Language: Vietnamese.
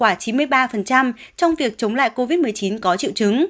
vaccine moderna có hiệu quả chín mươi ba trong việc chống lại covid một mươi chín có triệu chứng